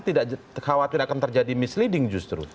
tidak khawatir akan terjadi misleading justru